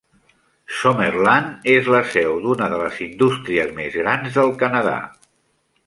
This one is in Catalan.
Summerland és la seu d'una de les indústries més grans del Canadà.